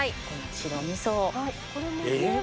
白みそ。